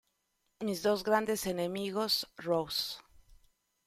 Mis dos grandes enemigos, Ross.